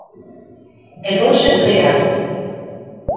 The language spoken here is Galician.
E non se frea.